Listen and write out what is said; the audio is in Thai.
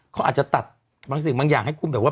เขาอาจจะตัดบางสิ่งบางอย่างให้คุณแบบว่า